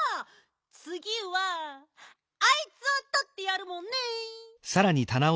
つぎはあいつをとってやるもんね。